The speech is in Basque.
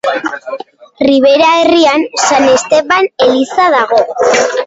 Ribera herrian San Esteban eliza dago.